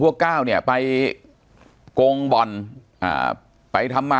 ปากกับภาคภูมิ